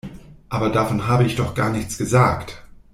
Aber davon habe ich doch gar nichts gesagt!